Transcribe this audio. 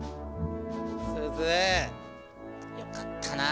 すずよかったな！